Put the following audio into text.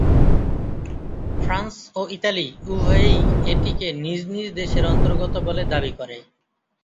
France ও Italy উভয়েই এটিকে নিজ-নিজ দেশের অন্তর্গত বলে দাবি করে।